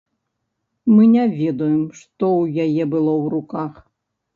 Мы не ведаем, што ў яе было ў руках.